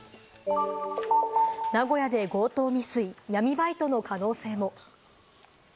名古屋で強盗未遂、闇バイトの可能性も。